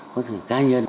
có thể cá nhân